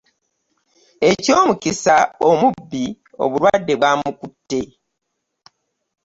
Ekyomukisa omubi obulwade bwamukutte.